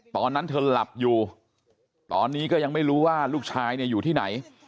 ตอนนั้นเธอหลับอยู่ตอนนี้ก็ยังไม่รู้ว่าลูกชายเนี่ยอยู่ที่ไหน